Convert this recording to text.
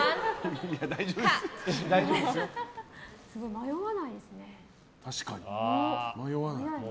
迷わないんですね。